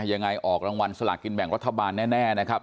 ออกรางวัลสลากินแบ่งรัฐบาลแน่นะครับ